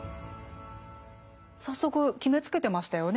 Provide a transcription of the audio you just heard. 早速決めつけてましたよね。